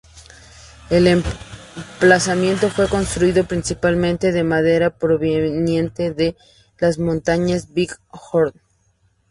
El emplazamiento fue construido principalmente de madera proveniente de las montañas Big Horn.